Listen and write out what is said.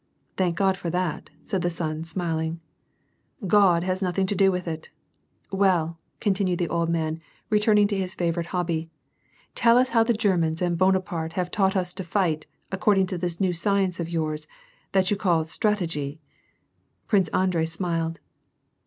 " Thank God for that," said the son, smiling. " God has nothing to do with it. Well," continued the old man, returning to his favorite hobby, " tell us how the Ger mans and Bonaparte have taught us to Hght, according to this new science of yours, that you call ' strategy '?" Prince Andrei smiled.